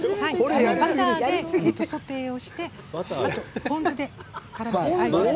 バターでソテーをしてポン酢をからめて。